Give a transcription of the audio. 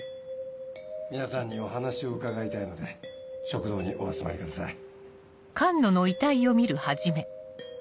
皆さんにお話を伺いたいので食堂にお集まりください。